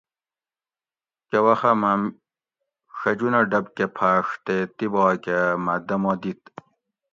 کہ وخہ مہ ڛجونہ ڈب کہ پھاۤڛ تے تِباکہ مہ دمہ دِت